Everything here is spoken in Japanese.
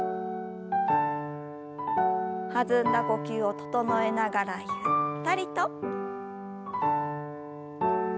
弾んだ呼吸を整えながらゆったりと。